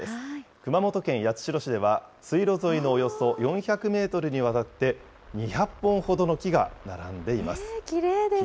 熊本県八代市では、水路沿いのおよそ４００メートルにわたって、２００本ほどの木がきれいですね。